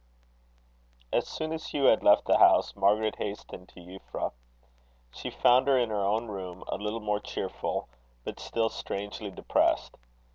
As soon as Hugh had left the house, Margaret hastened to Euphra. She found her in her own room, a little more cheerful, but still strangely depressed.